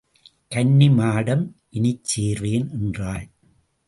கன்னிமாடம் இனிச் சேர்வேன் எனறாள்.